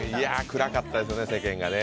暗かったですよね、世間がね。